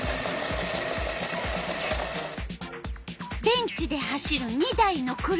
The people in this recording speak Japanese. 電池で走る２台の車。